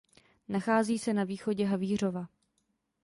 Nachází se na východě Havířova.